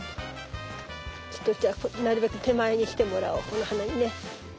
ちょっとじゃあなるべく手前に来てもらおうこの花にね。